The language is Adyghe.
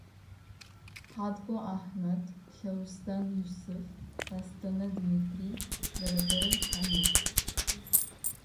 Хьаткъо Ахьмэд, Лъэустэн Юсыф, Кэстэнэ Дмитрий, Бэрэтэрэ Хьамид.